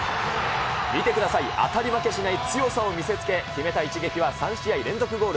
見てください、当たり負けしない強さを見せつけ、決めた一撃は３試合連続ゴール。